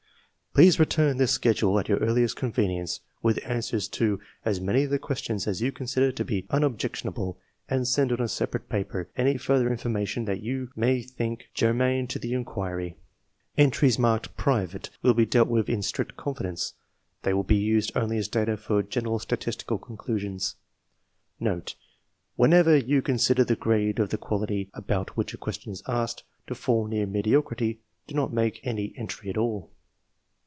Please return this schedule at your earliest con venience, with answers to as many of the questions as you consider to be unobjectionable, and send on a sepa rate paper any further information that you may think germane to the inquiry. Entries marked " Private " will be dealt with in strict confidence; they will be used only as data for general statistical conclusions. Note. — Whenever you consider the grade of the quality about which a question is asked, to fall near mediocrity, do not make any entry at all.